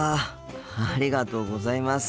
ありがとうございます。